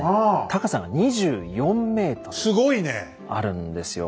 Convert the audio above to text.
高さが２４ｍあるんですよ。